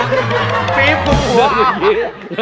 ฟรีฟภูมิหัวอ้าวฟรีฟฟรีฟฟรีฟฟรีฟฟรีฟฟรีฟฟรีฟ